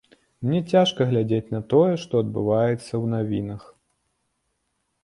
Мне цяжка глядзець на тое, што адбываецца, у навінах.